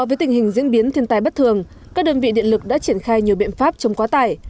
với tình hình diễn biến thiên tài bất thường các đơn vị điện lực đã triển khai nhiều biện pháp chống quá tải